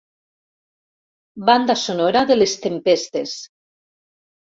Banda sonora de les tempestes.